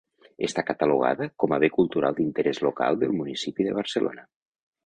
Està catalogada com a bé cultural d'interès local del municipi de Barcelona.